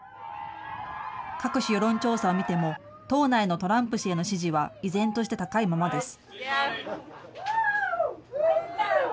各種世論調査を見ても、党内のトランプ氏への支持は依然として高いままです。